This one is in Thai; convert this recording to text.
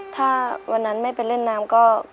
ถ้าวันนั้นไม่ไปเล่นน้ำก็